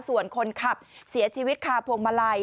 ส่วนคนขับเสียชีวิตคาพวงมาลัย